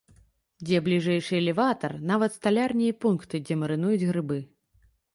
Дзе бліжэйшы элеватар, нават сталярні і пункты, дзе марынуюць грыбы.